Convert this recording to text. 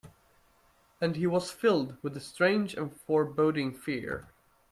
And he was filled with a strange and foreboding fear.